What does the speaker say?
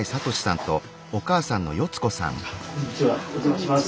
こんにちはお邪魔します。